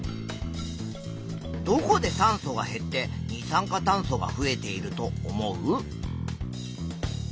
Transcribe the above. どこで酸素は減って二酸化炭素が増えていると思う？